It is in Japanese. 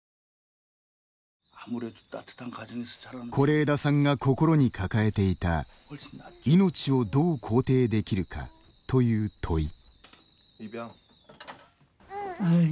是枝さんが心に抱えていた命をどう肯定できるかという問い。